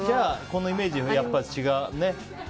このイメージはやっぱり違うね。